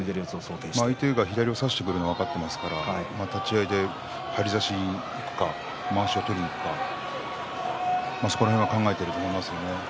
相手が左を差してくるのは分かっていますから立ち合いで左差しでいくかまわしを取りにいくかそこら辺は考えてると思いますね。